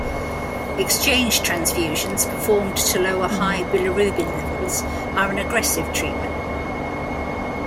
Exchange transfusions performed to lower high bilirubin levels are an aggressive treatment.